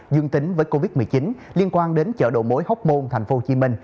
dương tính với covid một mươi chín liên quan đến chợ đầu mối hóc môn tp hcm